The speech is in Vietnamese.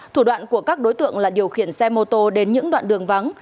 thủ đoạn của các đối tượng là điều khiển xe mô tô đến những đoạn đường vắng